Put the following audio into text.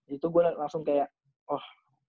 di situ gue langsung kayak oh